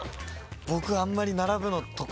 僕あんまり。